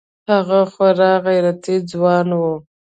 هغه خورا غيرتي ځوان و.